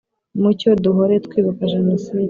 mucyo duhore twibuka jenoside